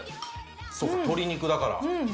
そうか、鶏肉だから。